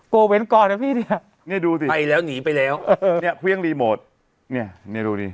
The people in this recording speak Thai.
เว้นก่อนนะพี่เนี่ยเนี่ยดูสิไปแล้วหนีไปแล้วเออเนี่ยเครื่องรีโมทเนี่ยดูดิ